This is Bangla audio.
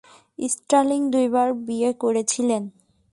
স্টার্লিং দুইবার বিয়ে করেছিলেন।